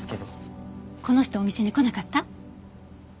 この人お店に来なかった？